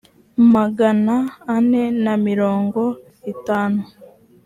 magana ane na mirongo itanu